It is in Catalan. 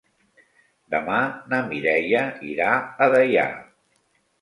Demà na Mireia irà a Deià.